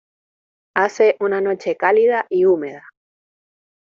Hace una noche cálida y húmeda.